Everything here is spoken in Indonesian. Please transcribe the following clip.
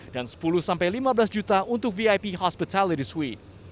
dan rp sepuluh sampai rp lima belas untuk vip hospitality suite